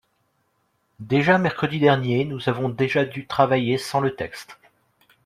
Déjà mercredi dernier, nous avons déjà dû travailler sans le texte.